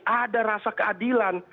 ada rasa keadilan